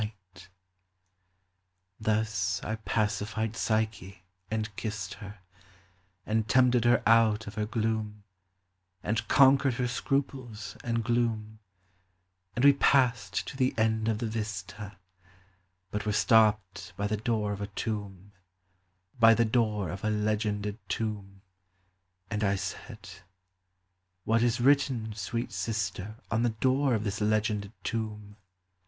MYTHICAL: LEGENDARY. 155 Thus I pacified Psyche and kissed her, And tempted her out of her gloom, And conquered her scruples and gloom ; And we passed to the end of the vista, But were stopped by the door of a tomb, By the door of a legended tomb ; And I said —" What is written, sweet sister, On the door of this legended tomb